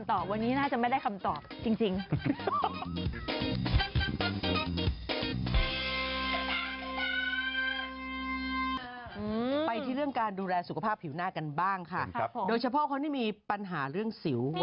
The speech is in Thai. แต่คุณอาจจะไปร้าน๕ทุ่ม